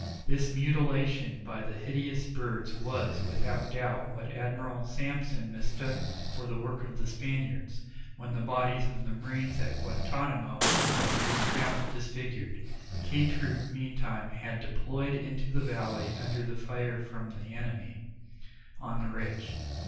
This mutilation by these hideous birds was, without doubt, what Admiral Sampson mistook for the work of the Spaniards, when the bodies of the marines at Guantanamo were found disfigured. K Troop meantime had deployed into the valley under the fire from the enemy on the ridge.